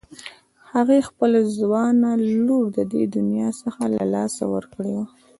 هغې خپله ځوانه لور له دې دنيا څخه له لاسه ورکړې وه.